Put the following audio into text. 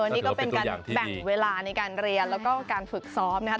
นี่ก็เป็นการแบ่งเวลาในการเรียนแล้วก็การฝึกซ้อมนะครับ